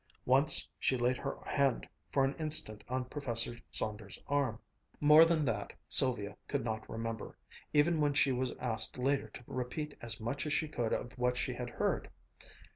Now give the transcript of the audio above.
Once she laid her hand for an instant on Professor Saunders' arm. More than that Sylvia could not remember, even when she was asked later to repeat as much as she could of what she had heard.